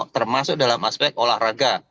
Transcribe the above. termasuk dalam aspek olahraga